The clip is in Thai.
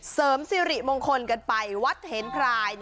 เสริมสิริมงคลกันไปวัดเหนพราย